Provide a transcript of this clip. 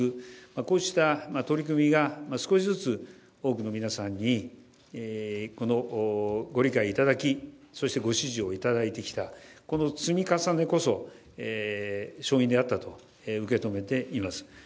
こうした取り組みが少しずつ多くの皆さんにご理解いただき御支持をいただいてきた積み重ねこそ勝因であったと受け止めています。